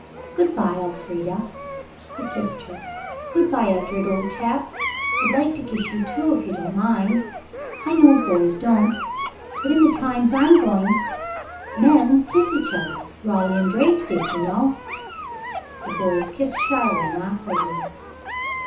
Good bye, Elfrida." He kissed her. "Good bye, Edred, old chap. I'd like to kiss you too, if you don't mind. I know boys don't, but in the times I'm going to men kiss each other. Raleigh and Drake did, you know." The boys kissed shyly and awkwardly.